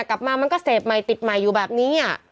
มันก็เสพใหม่ติดใหม่อยู่แบบนี้